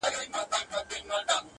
اوس مي هم ښه په ياد دي زوړ نه يمه-